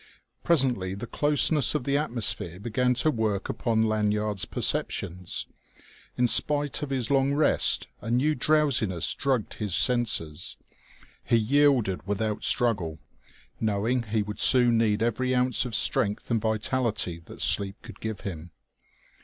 Presently the closeness of the atmosphere began to work upon Lanyard's perceptions. In spite of his long rest, a new drowsiness drugged his senses. He yielded without struggle, knowing he would soon need every ounce of strength and vitality that sleep could give him....